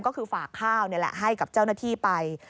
ก็คือฝากข้าวนี่แหละให้กับเจ้าหน้าที่ไป